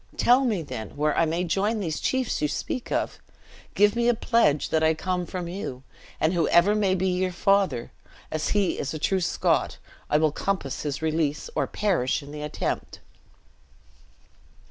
Tell me, then, where I may join these chiefs you speak of. Give me a pledge that I come from you; and whoever may be your father, as he is a true Scot, I will compass his release, or perish in the attempt."